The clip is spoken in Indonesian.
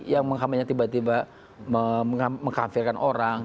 yang menghampirinya tiba tiba mengkafirkan orang